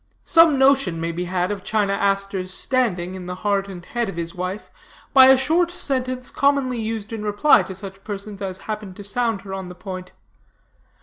Some notion may be had of China Aster's standing in the heart and head of his wife, by a short sentence commonly used in reply to such persons as happened to sound her on the point.